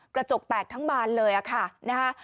กระจกแตกทั้งบานเลยค่ะนะฮะ